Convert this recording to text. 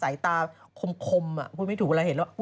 ยังเห็นตา